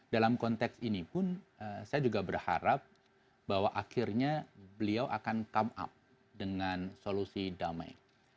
dalam konteks ini pun saya juga berharap bahwa akhirnya beliau akan come up dengan solusi damai